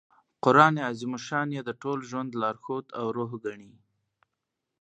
قران عظیم الشان ئې د ټول ژوند لارښود او روح ګڼي.